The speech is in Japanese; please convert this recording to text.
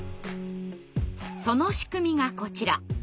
その仕組みがこちら。